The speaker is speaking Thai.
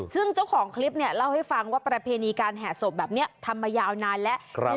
ซึ่งเจ้าของคลิปเนี่ยเล่าให้ฟังว่าประเพณีการแห่ศพแบบนี้ทำมายาวนานแล้ว